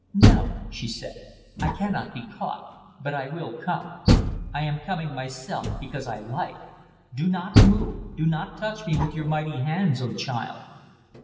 "No!" she said. "I cannot be caught. But I will come. I am coming myself because I like. Do not move. Do not touch me with your mighty hands, O child!"